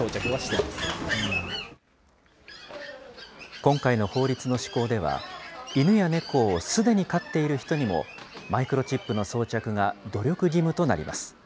今回の法律の施行では、犬や猫をすでに飼っている人にも、マイクロチップの装着が努力義務となります。